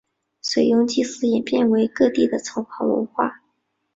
水庸祭祀演变为各地的城隍文化。